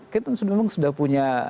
kita memang sudah punya